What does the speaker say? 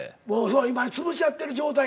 今つぶし合ってる状態やねん。